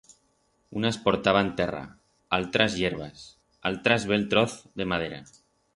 Unas portaban terra, altras hierbas, altras bell troz de madera.